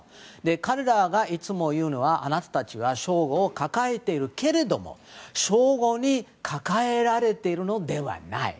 彼らがいつも言うのはあなたたちは称号を抱えているけれども称号に抱えられているのではない。